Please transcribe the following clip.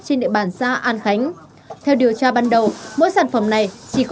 trên địa bàn xa an khánh theo điều tra ban đầu mỗi sản phẩm này